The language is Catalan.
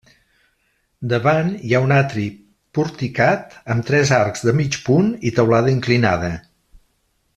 Davant hi ha un atri porticat amb tres arcs de mig punt i teulada inclinada.